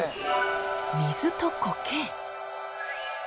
水とコケ？